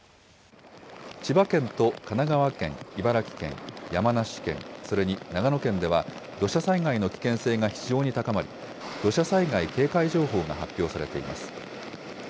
千葉県と神奈川県、茨城県、山梨県、それに長野県では、土砂災害の危険性が非常に高まり、土砂災害警戒情報が発表されています。